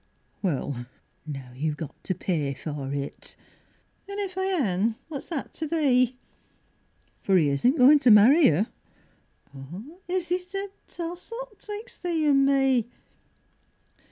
Well, now you've got to pay for it, An' if I han, what's that to thee? For 'e isn't goin' to marry you. Is it a toss up 'twixt thee an' me?